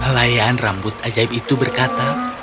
kelayan rambut ajaib itu berkata